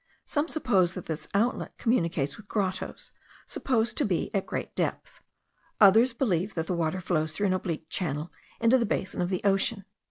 Some suppose that this outlet communicates with grottos, supposed to be at great depth; others believe that the water flows through an oblique channel into the basin of the ocean.